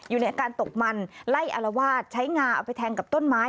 อยู่ในอาการตกมันไล่อารวาสใช้งาเอาไปแทงกับต้นไม้